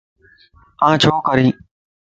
آن ڇوڪري